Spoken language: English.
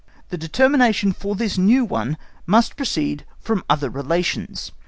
The determination for this new one must proceed from other relations.